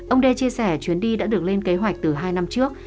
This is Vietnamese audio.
ông de chia sẻ chuyến đi đã được lên kế hoạch từ hai năm trước